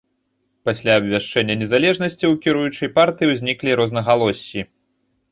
Пасля абвяшчэння незалежнасці, у кіруючай партыі ўзніклі рознагалоссі.